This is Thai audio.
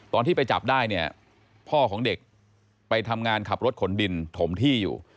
ตอนที่ไปจับได้เนี่ยพ่อของเด็กไปทำงานขับรถขนดินถมที่อยู่